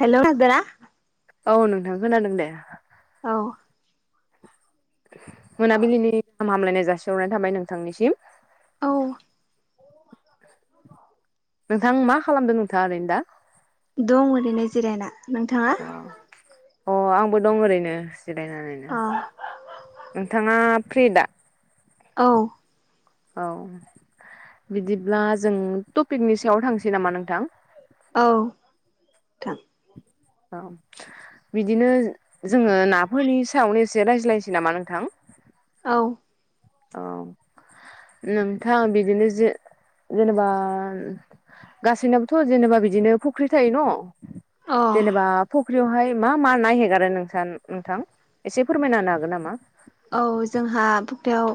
Hello, [unintelligible] औ नोंथां खोनादों दे औ मोनाबिलिनि गाहाम हामलायनाय जासिहरनाय थाबाय नोंथांनिसिम औ नोंथां मा खालामदों नोंथाङा ओरैनो दा दं ओरैनो जिरायना नोंथाङा अ अ आंबो दं ओरैनो जिरायनानैनो अ नोंथाङा फ्रि दा औ औ बिदिब्ला जों टपिकनि सायाव थांनोसै नामा नोंथां औ थां औ बिदिनो जोङो नाफोरनि सायावनो एसे रायज्लायनोसै नामा नोंथां औ औ नोंथां बिदिनो जो जेनेबा गासैनाबोथ' जेनेबा बिदिनो फुख्रि थायो न' अ जेनेबा फख्रियावहाय मा मा ना हेगारो नोंसा नोंथां एसे फोरमायना होनो हागोन नामा थेव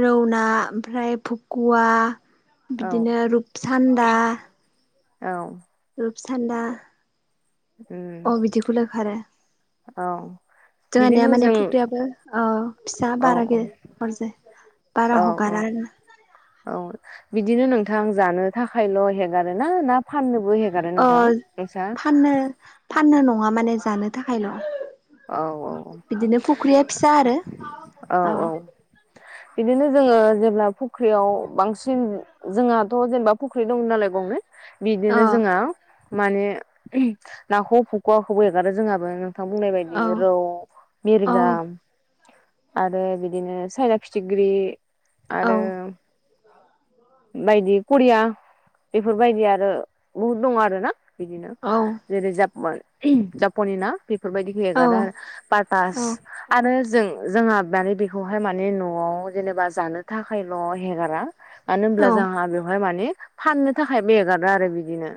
रौ ना ओमफ्राय फुकुवा औ बिदिनो रुपसान्दा औ सान्दा उम अ बिदिखौल' खारो औ जोंहानिया बिदिनो माने जों फुख्रियाबो ओ फिसा औ बारा [unintelligible] बारा औ औ हगारानो औ बिदिनो नोंथां जानो थाखायल' हेगार ना ना फानो अ फाननो फाननो नङा माने जानो थाखायल' औ बिदिनो फुख्रिया औ फिसा आरो औ औ बिदिनो जोङो जेब्ला फुख्रियाव बांसिन जोंहाथ' जेनेबा फुख्रि दं नालाय गंनै बिदिनो अ जोङो माने नाखौ फुकुवाखौबो एगारो जोंहाबो नोंथां बुंनाय बायदि औ बि रौ, मिरगा आरो बिदिनो सायना फिथिख्रि औ आरो बायदि करिया बेफोरबायदि आरो बुहुद दङ आरो ना बिदिनो औ जेरै जापान जापाननि ना बेफोरबायदि औ हेगारो आरो पातास आरो जों जोंहा माने बेखौहाय माने न'आव जेनेबा जानो थाखायल' हेगारा मानो होनब्ला औ जोंहा बेवहाय माने फाननो था थाखायबो एगारो आरो बिदिनो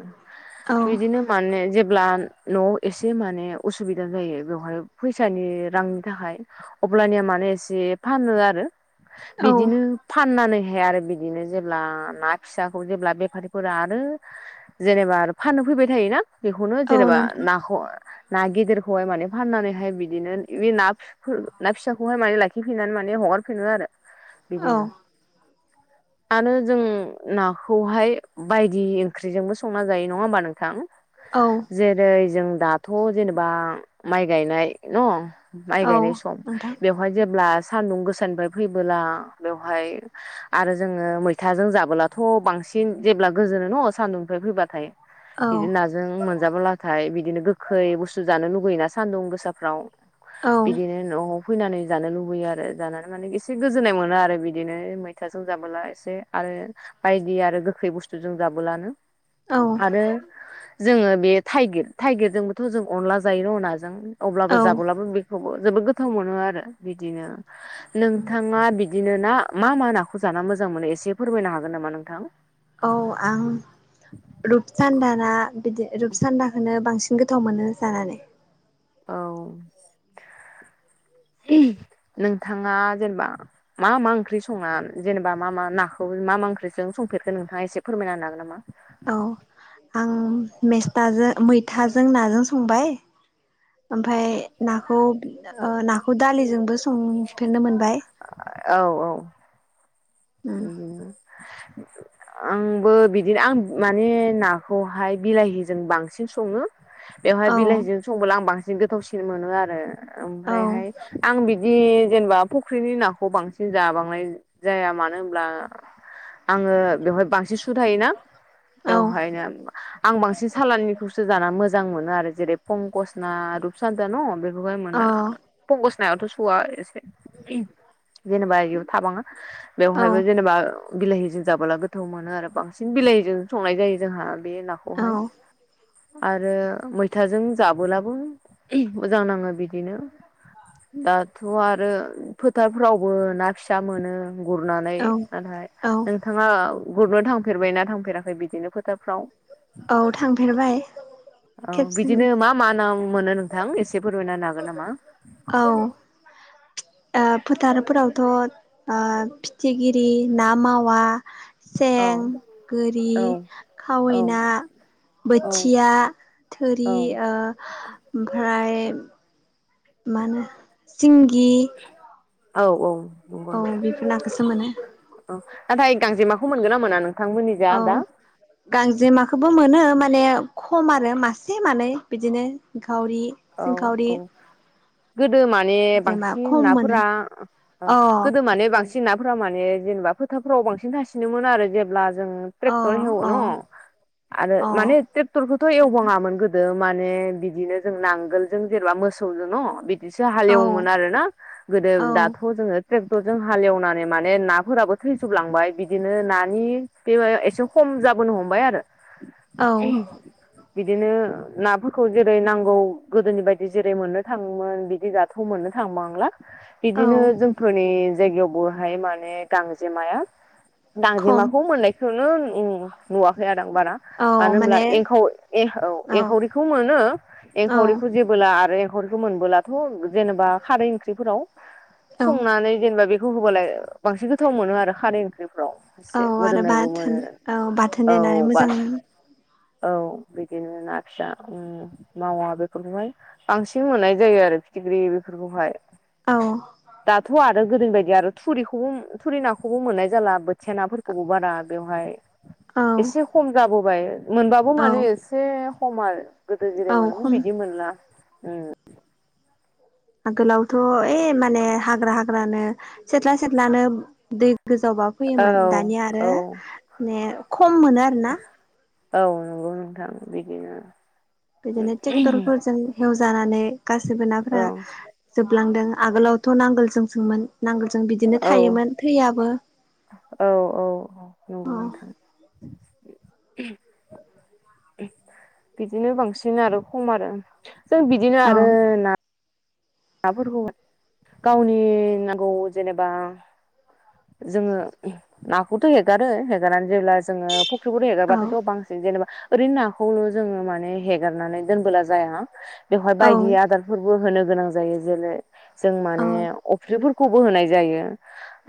औ बिदिनो माने जेब्ला न' एसे माने उसुबि दा जायो बेवहाय फैसानि रांनि थाखाय अब्लानिया माने एसे फानो आरो औ बिदिनो फाननानै ओमफाय आरो बिदिनो जेब्ला ना फिसाखौ जेब्ला बेफारिफोरा आरो जेनेबा आरो फानो फैबाय थायोना बेखौनो औ जेनेबा नोंथां ना ना गेदेर। खौहाय माने फाननानैहाय बिदिनो बे ना ना फिसाखौहाय माने लाखिफिननानै माने हगारफिनो आरो। औ बिदिनो। आरो जों नाखौहाय बायदि ओंख्रिजोंबो संना जायो नङा होमबा नोंथां। औ जेरै जों दाथ' जेनेबा माइ गायनाय न माइ गायनाय सम बेवहाय जेब्ला सानदुं गोसानिफ्राय फैबोला बेवहाय आरो जोङो मैथाजों जाबोलाथ' बां बांसिन जेब्ला गोजोनो नङ सान्दुंनिफ्राय फैबाथाय बिदि नाजों मोनजाबोलाथाय बिदिनो गोखै बुस्थु जानो लुुबैयोना सानदुं गोसाफ्राव बिदिनो न' फैनानै जानो लुबैयो आरो जानानै माने एसे गोजोननाय मोनो आरो बिदिनो मैथाजों जाबोला एसे आ बायदि आरो गोखै बुस्थु जों जाबोलानो आरो जोङो बे थाइगिर थाइगिरजोंबोथ' जों अनला जायो र' नाजों अब्लाबो औ जाबोलाबो बेखौबो जोबोद गोथाव मोनो आरो बिदिनो नोंथाङा बिदिनो ना मा मा नाखौ जाना मोजां मोनो एसे फोरमायनो हागोन नामा नोंथां? औ आं रुपचान्दा ना बिदि रुपसान्दाखौनो बांसि गोथाव मोनो जानानै। औ। नोंथाङा जेनेबा मा मा ओंख्रि संङा जेनेबा मा मा नाखौ मा मा ओंख्रिजों स संफेरखो नोंथाङासे फोरमायनो हागोन नामा? औ आं मेस्थाजों मैथाजों नाजों संबाय ओमफाय नाखौ ओ नाखौ दालिजोंबो संफेरनो मोन औ औ। औ इदिनो। आंबो बिदिनो आं माने नाखौहाय बिलाहिजों बांसिन सङो। बेवहाय बिलाहिजों औ संब्ला आं बांसिन गोथावसिन मोनो आरो। ओमफ्रायहाय आं बिदि जेनेबा फुख्रिनि नाखौ बांसिन जाबांनाय जाया मानो होनब्ला आङो बेवहाय बांसिन सु थायोना। औ बेवहायनो आं बांसिन साालनिखौसो जाना मो मोजां मोनो आरो जेरै फंकसना रुप सान्था न' बेहाय मोनो फंक नायावथ' सुआ एसे जेनेबा बि थाबाङा औ बेवहायबो जेनेबा बिलाहिजों जाबोला गोथाव मोनो आरो बांसिन बिलाहिजों संनाय जायो जोंहा बे औ नाखौहाय। आरो मैथाजों जाबोलाबो मोजां नाङो बि बिदिनो दाथ' आरो फोथारफ्रावबो ना फिसा मोनो। गुरनानै औ नाथाय औ नोंथाङा गुरनो थांफेरबायना थांफेराखै बिदिनो फोथारफ्राव? औ थांफेरबाय। औ खेबसे बिदिनो मा मा ना मोनो नोंथां एसे एसे फोरमायना हागोन नामा? औ ओ फोथारफोरावथ' ओ फिथिग्रि ना मावा। औ सें गोरि औ खावै ना बोथिया थुरि ओ ओमफ्राय मा होनो सिंगि। औ औ। औ बेफोर नाखौसो मोनो। औ नाथाय गांजेमाखौ मोनगोन ना मोना नों? औ गांजेमाखौबो मोनो माने खम आरो मासे मानै बिदिनो सिंखावरि औ सिंखावरि औ । गोदो माने जेमा बांसिन खम मोनो नाफोरा अ गोदो माने बांसिन नाफोरा माने जेनेबा फोथारफ्राव बांसिन थासिनोमोन आरो जेब्ला जों अ ट्रेक्टर एवो न' अ आरो अ माने ट्रेक्टरखौथ' नोंथां एवबाङामोन गोदो । माने बिदिनो जों नांगोलजों जेनेबा मोसौजों न' बि बिदिसो औ हालेवोमोन आरो ना गोदो औ दाथ' जोङो ट्रेक्टर जों हालेवनानै माने नाफोराबो थैजोबलांबाय बिदिनो नानि बे एसे खम जाबोनो हमबाय आरो औ बिदिनो नाफोरखौ जेरै नां गौ गोदोनि बायदि जेरै मोननो थाङोमोन बिदि दाथ' मोननो थांबांला । औ बिदिनो जोंफोरनि जायगायावबोहाय माने गांजेमाया खम गांजेमाखौ मोननायखौनो नु-नुवाखै आरो आ बारा औ मानो होनब्ला माने एंखाव ए औ एंखावरिखौ मोनो । औ एंखावरिखौ जेबोला आरो एंखावरिखौ मोनबोलाथ' जेनेबा खारै ओंख्रिफोराव संनानै जेनेबा बेखौ होबालाय बांसिन गोथाव मोनो आरो खारै ओंख्रि फ्राव एसे औ आरो मोदोमनायबो बाथोन मोनो आरो औ बाथोन देनानै औ बा मोजां औ बिदिनो ना फिसा उम्म । मावा बेफोरखौहाय बांसिन मोननाय जायो आरो फिथिख्रि बेफोरखौहाय औ । दाथ' आरो गोदोनि बायदि आरो थुरिखौबो थुरि नाखौबो मोननाय जाला बो थियानाफोरखौबो बारा बेवहाय औ एसे खम जाबोबाय । मोनबाबो औ माने एसे खम आरो गोदो जेरै औ मोनोमोन खम बिदि मोनला । उम्म । आगोलावथ' ओइ माने हाग्रा हाग्रानो सेथ्ला सेथ्लानो दै गोजावबा औ फैयोमोन दानिया आरो औ मे खम मोनो आरोना । औ नंगौ नोंथां बिदिनो बिदिनो ट्रेक्टरफोरजों हेवजानानै गासैबो औ नाफोरा जोबलांदों आगोलावथ' नांगोलजोंसोंमोन नांगोलजों बिदिनो थायोमोन थैयाबो । औ औ औ नंगौ नोंथां । बिदिनो बांसिन आरो खम आरो जों बिदिनो औ आरो ना नाफोरखौ गावनि नांगौ जेनेबा जोङो नाखौथ' हेगारो हेगारनानै जेब्ला जोङो फुख्रिखौनो औ हगारबाथायथ' बांसिन जेनेबा ओरै नाखौल' जोङो माने हेगारनानै दोनबोला जाया बेवहाय बायदि आदारफोरबो होनो गोनां जायो जेरै जों औ माने अफ्रिफोरखौबो होनाय जायो ।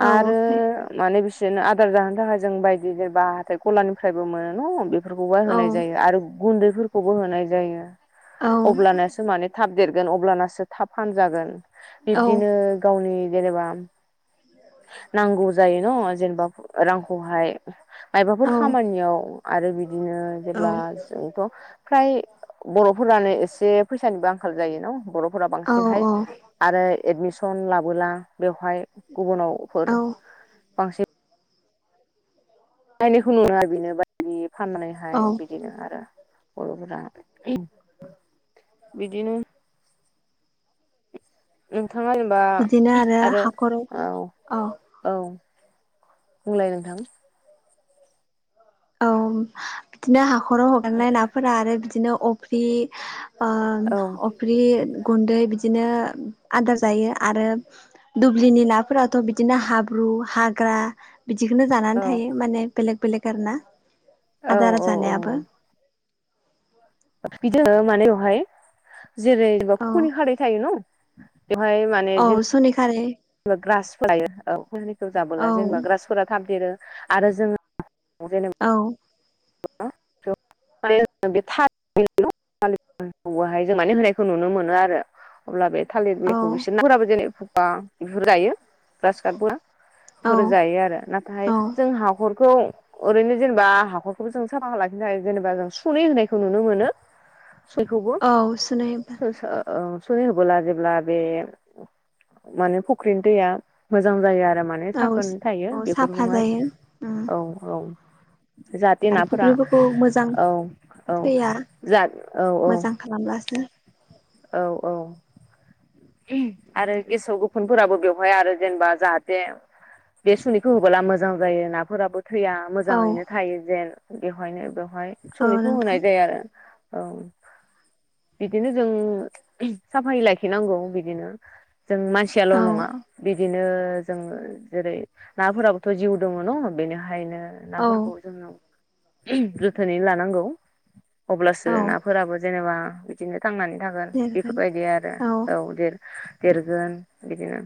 औ आरो ओमफ्राय माने बिस बिदिनो आदार जाहोनो थाखाय जों बायदि जेबा हाथाय गलानिफ्रायबो मोनो न' खौबो औ होनाय जायो आरो गुन्दैफोरखौबो होनाय जायो औ अब्लानासो माने थाब देर गोन अब्लानासो थाब फानजागोन औ बिब्दिनो गावनि जेनेबा नांगौ जायोन' जेेनबा रांखौहाय मायबाफोर औ खामानियाव आरो बिदिनो जेब्ला जोंथ' फ्राय बर'फोरानो एसे फैसानिबो आं खाल जायो न' बर'फोरा औ बांसिनहाय आरो एडमिसन ला बोला बेवहाय गुबुनावफोर औ बांसिन नायनायखौ नुनो बेनो बायदि फाननानैहाय औ बिदिनो आरो बर'फोरा बिदिनो नोंथाङा जेनेबा बिदिनो आरो हाखराव औ औ । बुंलाय नोंथां । औ बिदिनो हाख'राव हगारनाय नाफोरा आरो बिदिनो अफ्रि ओ औ अफ्रि गुन्दै बिदि बिदिनो आदार जायो आरो दुब्लिनि नाफोराथ बिदिनो हाब्रु हाग्रा ग्रा बिदिखौनो जानानै औ थायो माने बेलेक बेलेक आरो ना औ आदार औ जानायाबो बिदि मानावहाय जेरै औ खुनि खारै थायो न बेवहाय माने औ सनि खारै जेनेबा ग्रासफोर लायो औ हनिखौ औ जाबोला जेनेबा ग्रासफोरा थाब देरो आरो जोंङो जेनबा औ जों माने होनाय नुनो मोनो आरो अब्ला बे थालिर औ बेखौ बिसोर नाफोराबो जेरै बेफोरखौ जायो ग्रासकाट फोरा औ बेफोरो जायो आरो नाथाय औ जों हाखरखौ ओरैनो जेनेबा हाखरखौबो जों साफा लाखिनो थाखाय जेनेबा जों सुनै होनायखौ नुनो मोनो सयखौबो औ सुनै सुनि होबोला जेब्ला बे माने फुख्रिनि दैया मोजां जायो आरो माने औ साखोन थायो औ साफा बेफोरखौ जायो औ औ जाहाथे आरो नाफोरा फुख्रिफोरखौ मोजां औ औ थैया जा औ औ मोजां खालामब्लासो औ औ आरो गेसाव गोफुनफोराबो बेवहाय आरो जेनेबा जाहाथे बे सुनिखौ होबोला मोजां जायो नाफोराबो थैया औ मोजाङैनो थायो जेन बेवहायनो बेवहाय औ सनिखौ नोंथां होनाय जायो आरो औ बिदिनो जों साफायै लाखिनांगौ बिदिनो जों मानसियाल औ नङा बिदिनो जों जेरै नाफोराबोथ जिउ दंङ न बेनिखायनो औ नाफोरखौ जोंङो जोथोनै लानांगौ अब्लासो औ नाफोराबो जेनेबा बिदिनो थांनानै थागोन दे जागोन बेफोरबायदि आरो औ जिर देरगोन बिदिनो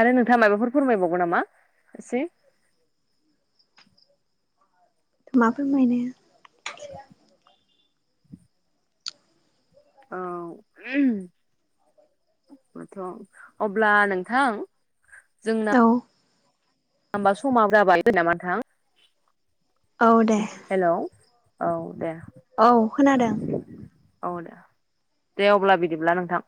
आरो नोंथाङा माबाफोर फोरमायबावगोन नामा एसे [inaudible] मा फोरमायनो [inaudible] औ [inaudible] थ अब्ला नोंथां जोंना औ होमबा समाबो जाबाय नामा नोंथां औ दे हेलौ औ दे औ खोनादों औ दे दे अब्ला बिदिब्ला नोंथां